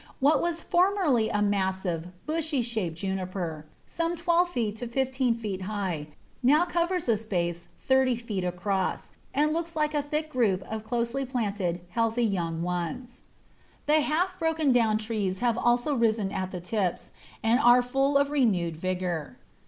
What was formerly a massive, bushy shaped Juniper, some twelve feet to fifteen feet high, now covers a space thirty feet across, and looks like a thick group of closely planted, healthy young ones. The half broken down trees have also risen at the tips, and are full of renewed vigour.